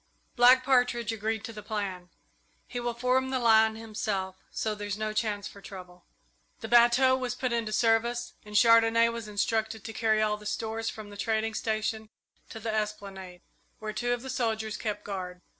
Black Partridge agreed to the plan. He will form the line himself, so there's no chance for trouble." The bateau was put into service, and Chandonnais was instructed to carry all the stores from the trading station to the esplanade, where two of the soldiers kept guard.